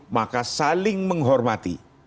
maka saling menghormati